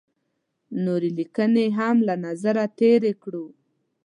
نورې لیکنې یې هم له نظره تېرې کړو.